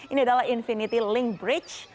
ini adalah infinity link bridge